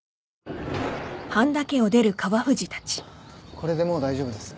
これでもう大丈夫です。